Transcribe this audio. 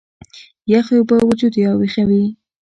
يخې اوبۀ وجود راوېخوي